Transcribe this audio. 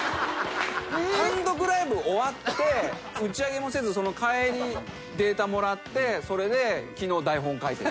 単独ライブ終わって打ち上げもせずその帰りデータもらってそれで昨日台本書いて。